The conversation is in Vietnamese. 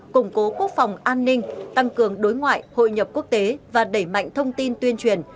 củng cố quốc phòng an ninh tăng cường đối ngoại hội nhập quốc tế và đẩy mạnh thông tin tuyên truyền